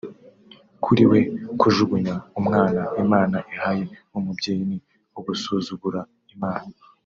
Kuri we kujugunya umwana Imana ihaye umubyeyi ni ugusuzugura Imana